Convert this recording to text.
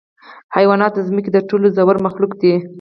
حیوانات د ځمکې تر ټولو زوړ مخلوق دی.